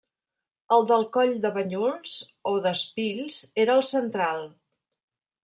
El del Coll de Banyuls, o d'Espills, era el central.